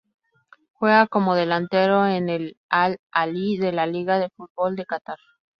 Juega como Delantero en el Al-Ahli de la Liga de fútbol de Catar.